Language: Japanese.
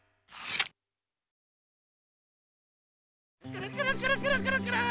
くるくるくるくるくるくる。